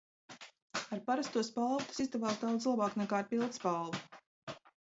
Ar parasto spalvu tas izdevās daudz labāk nekā ar pildspalvu.